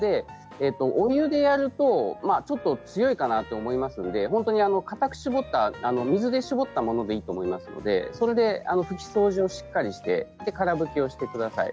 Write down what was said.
お湯でやると、ちょっと強いかなと思いますので本当に固く絞った水で絞ったものでいいと思いますのでそれで拭き掃除をしっかりしてから拭きをしてください。